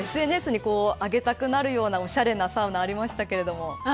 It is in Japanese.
ＳＮＳに上げたくなるようなおしゃれなサウナありましたけど。